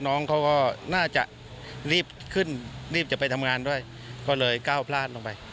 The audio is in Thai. น้องเขาก็น่าจะรีบขึ้นรีบจะไปทำงานด้วยก็เลยก้าวพลาดลงไป